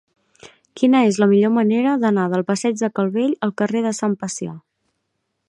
Quina és la millor manera d'anar del passeig de Calvell al carrer de Sant Pacià?